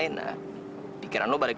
saya masih kein thing sick